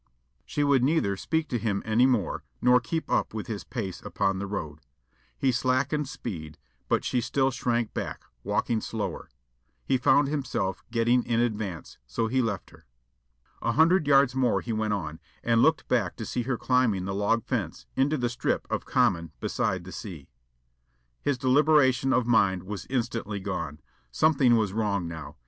She would neither speak to him any more nor keep up with his pace upon the road. He slackened speed, but she still shrank back, walking slower. He found himself getting in advance, so he left her. A hundred yards more he went on, and looked back to see her climbing the log fence into the strip of common beside the sea. His deliberation of mind was instantly gone. Something was wrong now.